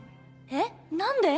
「えっ何で？」